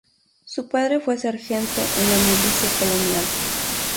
Su padre fue sargento en la milicia colonial.